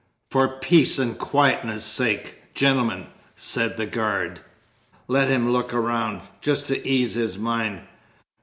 "For peace and quietness sake, gentlemen," said the guard, "let him look round, just to ease his mind.